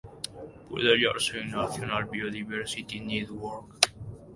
La puede hallarse en "National Biodiversity Network".